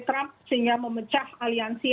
trump sehingga memecah aliansi